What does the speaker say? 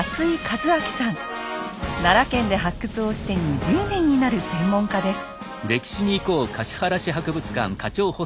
奈良県で発掘をして２０年になる専門家です。